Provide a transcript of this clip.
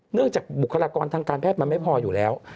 จากบุคลากรทางการแพทย์มันไม่พออยู่แล้ว